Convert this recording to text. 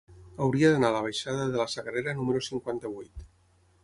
Hauria d'anar a la baixada de la Sagrera número cinquanta-vuit.